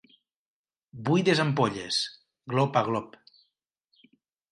Buides ampolles, glop a glop.